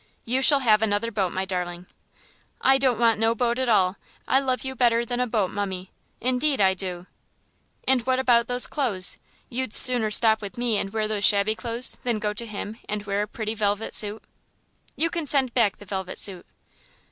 "You shall have another boat, my darling." "I don't want no boat at all! I love you better than a boat, mummie, indeed I do." "And what about those clothes? You'd sooner stop with me and wear those shabby clothes than go to him and wear a pretty velvet suit?" "You can send back the velvet suit."